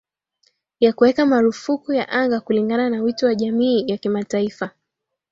ya kuweka marufuku ya anga kulingana na wito wa jamii ya kimataifa